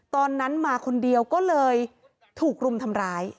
ตอนนั้นมาคนเดียวก็เลยถูกรุมทำร้าย